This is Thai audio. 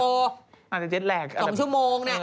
อาจจะเจ็ดแหลกบรรค์